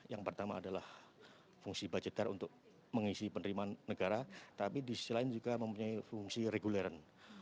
yang pertama adalah fungsi budgetar untuk mengisi penerimaan negara tapi di sisi lain juga mempunyai fungsi reguleran